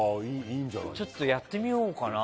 ちょっとやってみようかな。